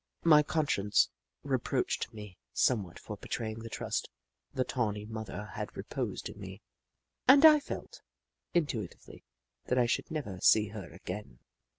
My conscience reproached me somewhat for betraying the trust the tawny mother had reposed in me, and I felt, intu itively, that I should never see her again.